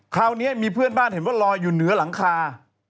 คราวนี้มีเพื่อนบ้านเห็นว่าลอยอยู่เหนือหลังคา